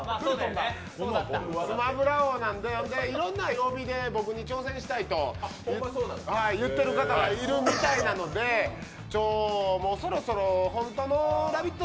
スマブラ王なんで、いろんな曜日で僕に挑戦したいと言っている方がいるみたいなので、もうそろそろホントのラヴィット！